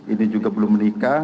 ini juga belum menikah